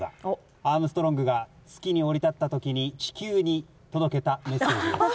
アームストロングが月に降り立った時に地球に届けたメッセージです。